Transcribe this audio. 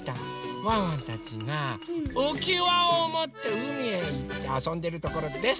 ワンワンたちがうきわをもってうみへいってあそんでるところです。